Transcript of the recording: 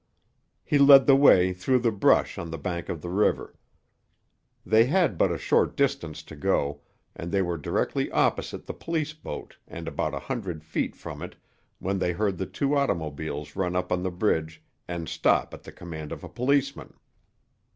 He led the way through the brush on the bank of the river. They had but a short distance to go, and they were directly opposite the police boat and about a hundred feet from it when they heard the two automobiles run up on the bridge and stop at the command of a policeman.